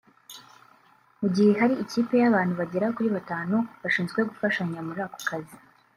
mu gihe hari ikipe y’abantu bagera kuri batanu bashinzwe gufashanya muri ako kazi